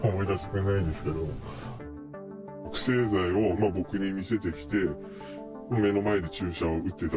覚醒剤を僕に見せてきて、目の前で注射を打ってた。